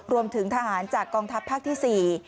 รวมถึงทหารจากกองทัพภาคที่๔